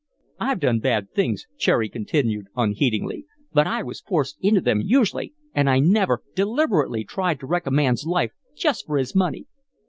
"I've done bad things," Cherry continued, unheedingly, "but I was forced into them, usually, and I never, deliberately, tried to wreck a man's life just for his money."